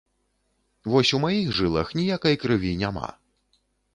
Вось у маіх жылах ніякай крыві няма.